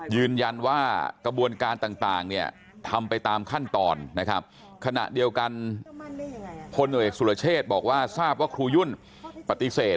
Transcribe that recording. ยืนยันว่ากระบวนการต่างเนี่ยทำไปตามขั้นตอนนะครับขณะเดียวกันพลเอกสุรเชษบอกว่าทราบว่าครูยุ่นปฏิเสธ